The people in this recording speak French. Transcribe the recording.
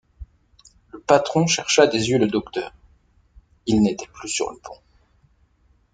Le patron chercha des yeux le docteur ; il n’était plus sur le pont.